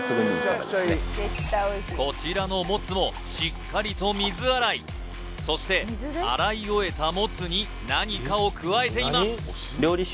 こちらのもつもしっかりと水洗いそして洗い終えたもつに何かを加えています